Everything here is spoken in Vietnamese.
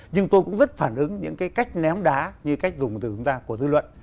nhưng tôi cũng rất phản ứng những cái cách ném đá như cách dùng từ chúng ta của dư luận